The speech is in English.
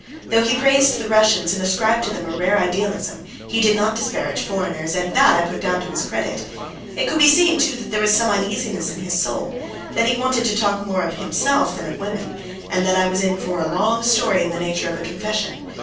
Though he praised the Russians and ascribed to them a rare idealism, he did not disparage foreigners, and that I put down to his credit. It could be seen, too, that there was some uneasiness in his soul, that he wanted to talk more of himself than of women, and that I was in for a long story in the nature of a confession.